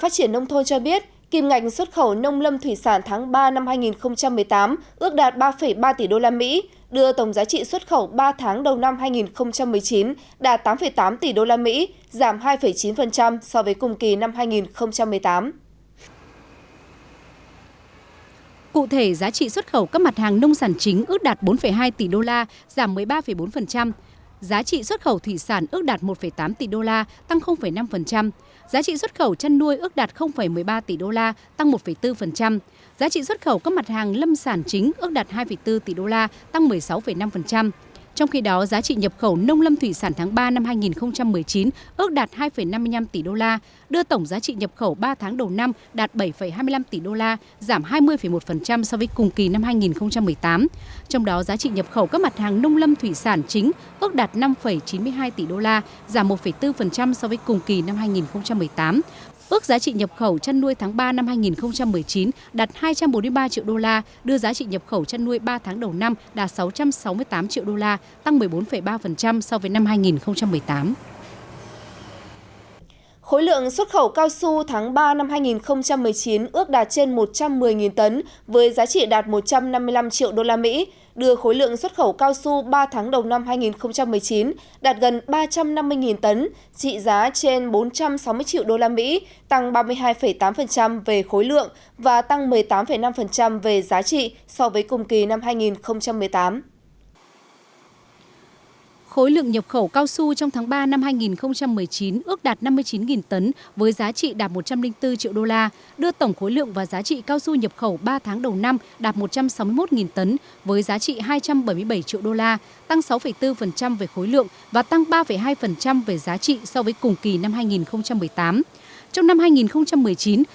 trong đó sự phạt chính cá nhân có hành vi thao túng tạo khung cầu giả buộc cải chính thông tin đối với ba trường hợp báo cáo không chính xác hoặc công bố thông tin sai lệch buộc từ bỏ quyền biểu quyết đối với một trường hợp vi phạm trào mùa công khai